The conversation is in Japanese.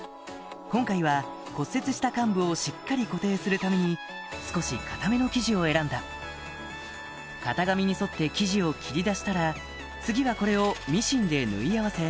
今回は骨折した患部をしっかり固定するために少し硬めの生地を選んだ型紙に沿って生地を切り出したら次はこれをミシンで縫い合わせ